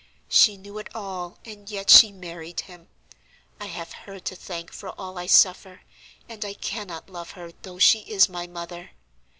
She knew it all, and yet she married him. I have her to thank for all I suffer, and I cannot love her though she is my mother.